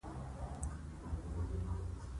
هغوی په میز شراب ایشخېشل.